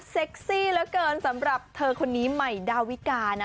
ซี่เหลือเกินสำหรับเธอคนนี้ใหม่ดาวิกานะ